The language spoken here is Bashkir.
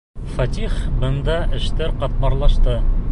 Фәтих, бында эштәр ҡатмарлашты.